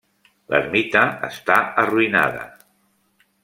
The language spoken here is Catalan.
L'ermita està arruïnada.